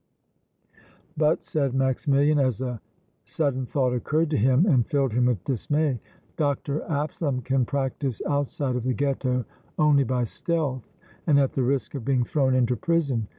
"But," said Maximilian, as a sudden thought occurred to him and filled him with dismay, "Dr. Absalom can practise outside of the Ghetto only by stealth and at the risk of being thrown into prison!